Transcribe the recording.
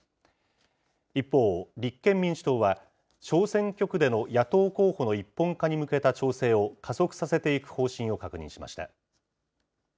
一方、立憲民主党は小選挙区での野党候補の一本化に向けた調整を加速させていく方針を確認しました。